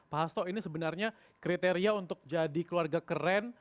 pak hasto ini sebenarnya kriteria untuk jadi keluarga keren